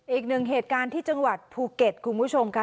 อีกหนึ่งเหตุการณ์ที่จังหวัดภูเก็ตคุณผู้ชมค่ะ